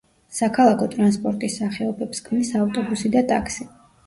საქალაქო ტრანსპორტის სახეობებს ქმნის ავტობუსი და ტაქსი.